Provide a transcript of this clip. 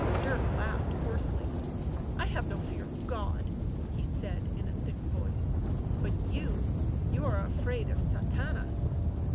Dirk laughed hoarsely. " I have no fear of God!" he said in a thick voice. " But you — you are afraid of Sathanas.